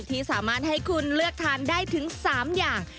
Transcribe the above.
ที่สามารถให้คุณเลือกทานได้ถึง๓อย่าง